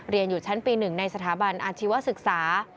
เรียนอยู่ชั้นปี๑ในสถาบันอาชีวศึกษา